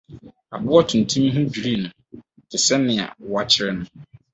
Aboa tuntum yi ho dwiriw no, te sɛ nea wɔakyere no.